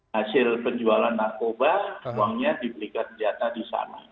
hasil penjualan narkoba uangnya dibelikan senjata di sana